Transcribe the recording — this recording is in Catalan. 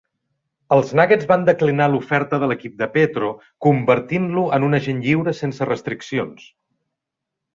Els Nuggets van declinar l'oferta de l'equip de Petro, convertint-lo en un agent lliure sense restriccions.